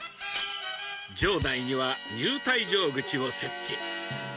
場内には入退場口を設置。